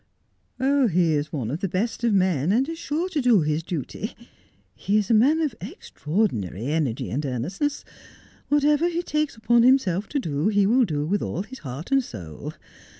'Oh, he is one of the best of men, and is sure to do his duty. He is a man of extraordinary energy and earnestness. What ever he takes upon himself to do, he will do with all his heart and soul.